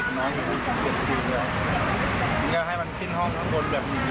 ก็ให้มันขึ้นห้องทุกคนแบบนี้